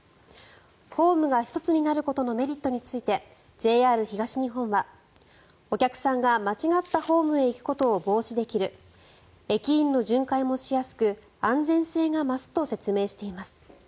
ホームが１つになることのメリットについてＪＲ東日本はお客さんが間違ったホームへ行くことを防止できる駅員の巡回もしやすく安全性が増すと説明しています。